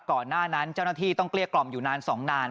ก่อนหน้านั้นเจ้าหน้าที่ต้องเกลี้ยกล่อมอยู่นาน๒นาน